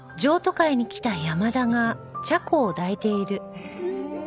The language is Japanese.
へえ。